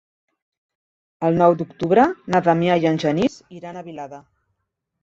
El nou d'octubre na Damià i en Genís iran a Vilada.